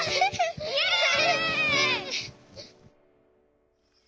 イエイ！